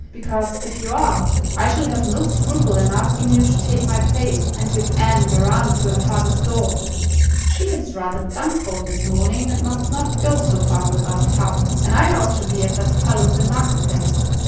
Because, if you are, I shall have no scruple in asking you to take my place, and give Anne your arm to her father's door. She is rather done for this morning, and must not go so far without help, and I ought to be at that fellow's in the Market Place.